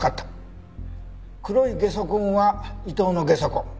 黒いゲソ痕は伊藤のゲソ痕。